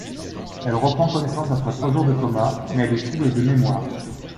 Elle reprend connaissance après trois jours de coma, mais a des troubles de mémoire.